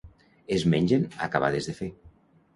Es mengen acabades de fer.